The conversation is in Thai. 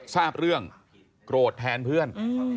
ทราบเรื่องโกรธแทนเพื่อน